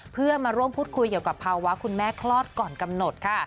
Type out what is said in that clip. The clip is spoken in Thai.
เพื่อมาร่วมพูดคุยเกี่ยวกับภาวะคุณแม่คลอดก่อนกำหนดค่ะ